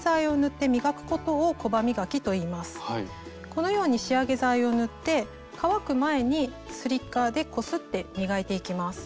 このように仕上げ剤を塗って乾く前にスリッカーでこすって磨いていきます。